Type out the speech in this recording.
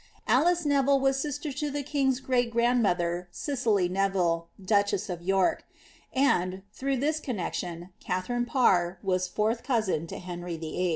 Alice Neville was sister to the king^s great grand mother, Cicely Neville, duchess of York ; and, through this connexion, Katharine Parr was fourth cousin to Henry VIII.